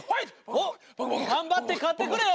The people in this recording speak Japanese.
おっ頑張って勝ってくれよ。